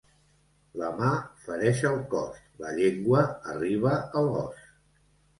La mà fereix el cos, la llengua arriba a l'os.